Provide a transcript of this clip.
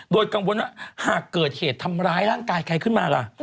โดยกังวลว่าหากเกิดเหตุทำร้ายร่างกายใครขึ้นมาล่ะ